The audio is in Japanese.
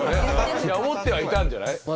じゃあ思ってはいたんじゃない？